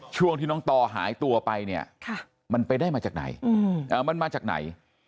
ช่วงที่น้องต่อหายตัวไปเนี่ยมันมาจากไหน